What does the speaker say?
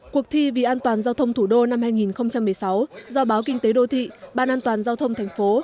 cuộc thi vì an toàn giao thông thủ đô năm hai nghìn một mươi sáu do báo kinh tế đô thị ban an toàn giao thông thành phố